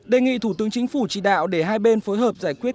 đề nghị thủ tướng chính phủ chỉ đạo để hai bên phối hợp giải quyết